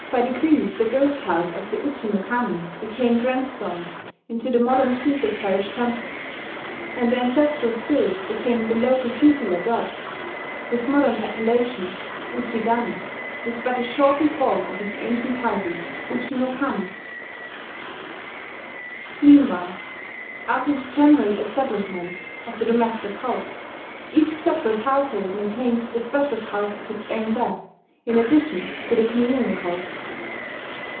By degrees the ghost house of the uji no kami became transformed into the modern Shinto parish temple; and the ancestral spirit became the local tutelar god, whose modern appellation, ujigami, is but a shortened form of his ancient title, uji no kami. Meanwhile, after the general establishment of the domestic cult, each separate household maintained the special cult of its own dead, in addition to the communal cult.